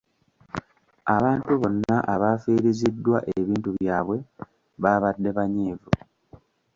Abantu bonna abaafiiriziddwa ebintu byabwe baabadde banyiivu.